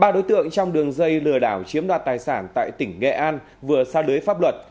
ba đối tượng trong đường dây lừa đảo chiếm đoạt tài sản tại tỉnh nghệ an vừa xa lưới pháp luật